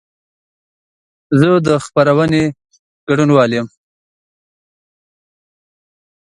زه د خپرونې ګډونوال یم.